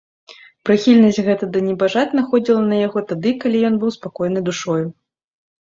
Прыхільнасць гэта да небажат находзіла на яго тады, калі быў ён спакойны душою.